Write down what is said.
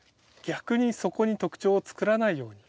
逆にそこに特徴をつくらないように。